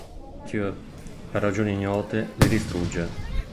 Mathieu, per ragioni ignote, li distrugge.